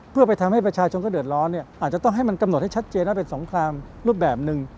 เพื่อไปทำให้ประชาชนก็เดือดร้อนเนี่ยอาจจะต้องให้มันกำหนดให้ชัดเจนว่าเป็นสงครามรูปแบบหนึ่ง